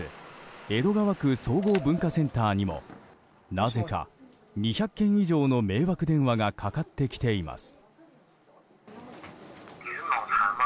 江戸川区総合文化センターにもなぜか２００件以上の迷惑電話がかかってきています。